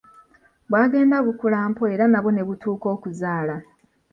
Bwagenda bukula mpola era nabwo ne butuuka okuzaala.